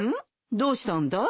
どうしたんだい？